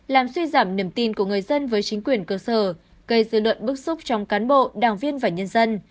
làm suy giảm niềm tin của người dân với chính quyền cơ sở gây dư luận bức xúc trong cán bộ đảng viên và nhân dân